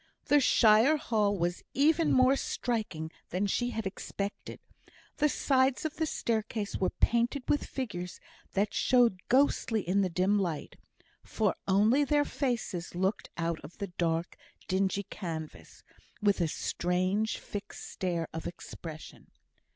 The shire hall was even more striking than she had expected. The sides of the staircase were painted with figures that showed ghostly in the dim light, for only their faces looked out of the dark, dingy canvas, with a strange fixed stare of expression.